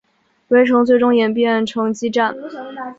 围城最终演变成激战。